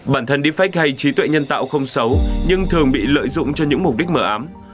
bản thân defect hay trí tuệ nhân tạo không xấu nhưng thường bị lợi dụng cho những mục đích mở ám